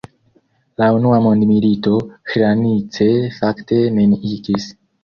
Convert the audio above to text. La unua mondmilito Hranice fakte neniigis.